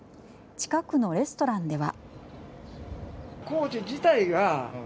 近くのレストランでは。